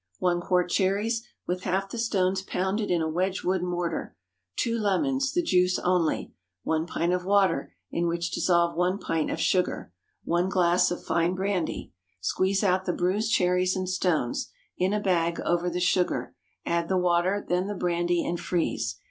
1 quart cherries, with half the stones pounded in a Wedgewood mortar. 2 lemons—the juice only. 1 pint of water, in which dissolve 1 pint of sugar. 1 glass of fine brandy. Squeeze out the bruised cherries and stones, in a bag over the sugar; add the water, then the brandy, and freeze.